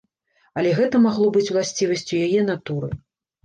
Але гэта магло быць уласцівасцю яе натуры.